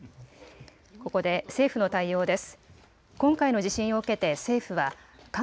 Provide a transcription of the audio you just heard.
ここで政府の対応です。